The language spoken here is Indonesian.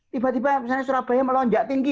tiba tiba misalnya surabaya melonjak tinggi